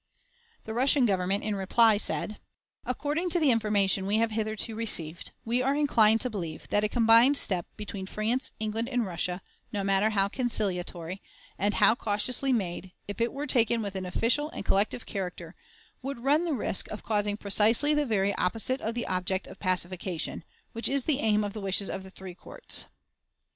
The Russian Government, in reply, said: "According to the information we have hitherto received, we are inclined to believe that a combined step between France, England, and Russia, no matter bow conciliatory, and how cautiously made, if it were taken with an official and collective character, would run the risk of causing precisely the very opposite of the object of pacification, which is the aim of the wishes of the three courts."